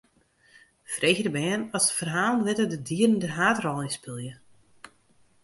Freegje de bern oft se ferhalen witte dêr't dieren de haadrol yn spylje.